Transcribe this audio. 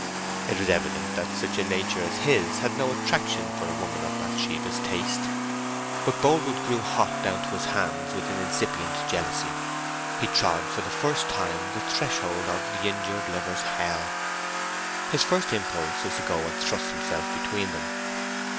It was evident that such a nature as his had no attraction for a woman of Bathsheba's taste. But Boldwood grew hot down to his hands with an incipient jealousy; he trod for the first time the threshold of "the injured lover's hell." His first impulse was to go and thrust himself between them.